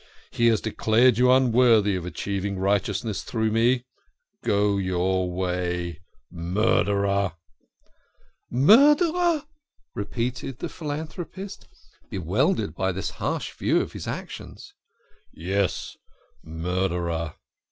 He has declared you unworthy of achieving righteousness through me. Go your way, murderer !"" Murderer !" repeated the philanthropist, bewildered by this harsh view of his action. " Yes, murderer